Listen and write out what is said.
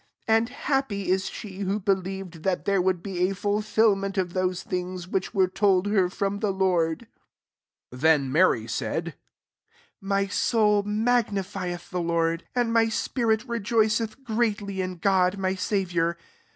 45 And happy is she who beUeved that there would be a Jktlfilment of those thirds which were told her from the Lord, 45 Then Mary saidy *^My soul magnffieth the Lord ; 47 and my spirit rtyoiceth greatly in Oody my Saviour.